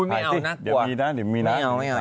ถ่ายสิมีนะอุ้ยไม่เอาน่ากลัว